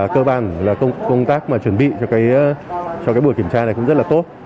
cơ bản là công tác mà chuẩn bị cho buổi kiểm tra này cũng rất là tốt